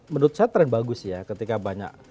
menurut saya tren bagus ya ketika banyak